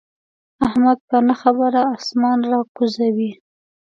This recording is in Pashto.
احمد په نه خبره اسمان را کوزوي.